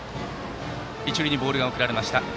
一塁にボールが送られました。